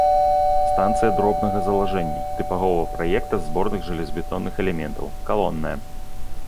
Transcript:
Станцыя дробнага залажэння, тыпавога праекта з зборных жалезабетонных элементаў, калонная.